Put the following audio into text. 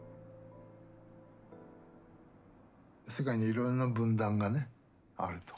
世界にはいろいろな分断がねあると。